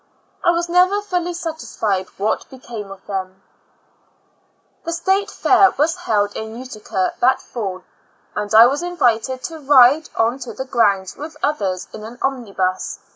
I was never fully satisfied what became of them. . The State Fair was held in Utica that fall, and I was invited to ride on to the grounds, with others, in an omnibus.